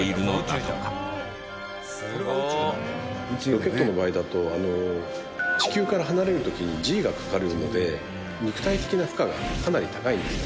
ロケットの場合だと地球から離れる時にＧがかかるので肉体的な負荷がかなり高いんです。